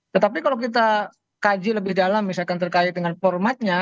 tetapi kalau kita kaji lebih dalam misalkan terkait dengan formatnya